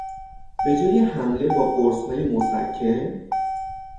به جای حمله با قرصهای مُسَکّن